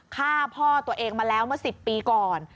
ฆ่าพ่อตัวเองมาแล้วเมื่อ๑๐ปีก่อน